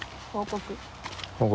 報告。